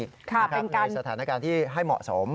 ค่ะเป็นการในสถานการณ์ที่ให้เหมาะสม